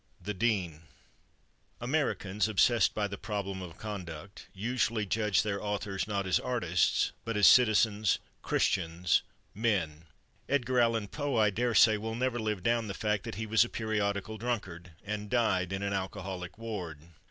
THE DEAN Americans, obsessed by the problem of conduct, usually judge their authors not as artists, but as citizens, Christians, men. Edgar Allan Poe, I daresay, will never live down the fact that he was a periodical drunkard, and died in an alcoholic ward.